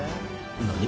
何？